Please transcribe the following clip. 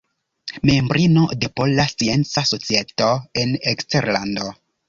Membrino de Pola Scienca Societo en Eksterlando.